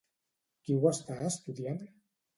Qui ho està estudiant?